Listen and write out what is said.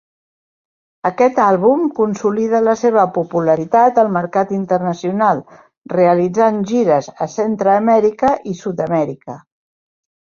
Aquest àlbum consolida la seva popularitat al mercat internacional, realitzant gires a Centreamèrica i Sud-amèrica.